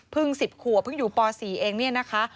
๑๐ขวบเพิ่งอยู่ป๔เองเนี่ยนะคะ